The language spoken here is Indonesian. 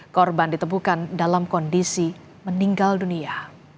korban ditemukan dalam kondisi meninggal dunia